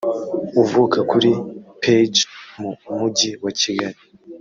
uvuka kuri Peage mu mujyi wa kigali